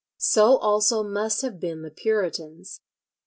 So also must have been the Puritans.